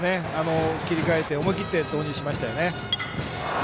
切り替えて思い切って、投入しましたね。